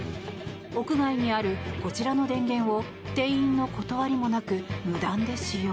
屋外にあるこちらの電源を店員の断りもなく無断で使用。